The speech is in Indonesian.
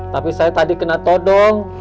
tapi saya tadi kena todong